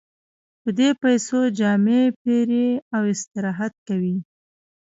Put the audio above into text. په دې پیسو جامې پېري او استراحت کوي